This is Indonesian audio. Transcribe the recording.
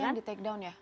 ini yang di take down ya